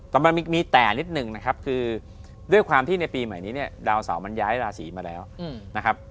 แต่มันมีแต่นิดหนึ่งนะครับคือด้วยความที่ในปีใหม่นี้เนี่ยดาวเสามันย้ายราศีมาแล้วนะครับ